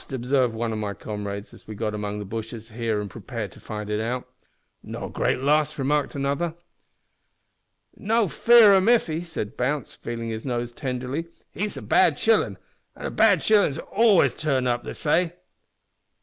obsarved one o' my comrades as we got in among the bushes here an' prepared to fight it out. "`No great loss,' remarked another. "`No fear o' Miffy,' said Bounce, feelin' his nose tenderly, `he's a bad shillin', and bad shillin's always turn up, they say.'